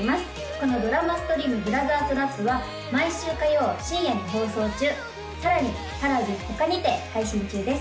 このドラマストリーム「ブラザー・トラップ」は毎週火曜深夜に放送中さらにＰａｒａｖｉ他にて配信中です